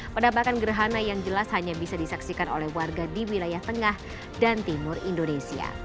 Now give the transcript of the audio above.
penambakan gerhana yang jelas hanya bisa disaksikan oleh warga di wilayah tengah dan timur indonesia